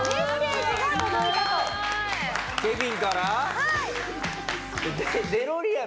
はい。